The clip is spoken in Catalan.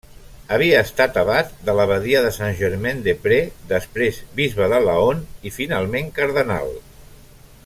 Havia estat abat de l'abadia de Saint-Germain-des-Prés, després bisbe de Laon, i finalment cardenal.